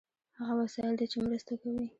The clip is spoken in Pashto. هغه وسایل دي چې مرسته کوي.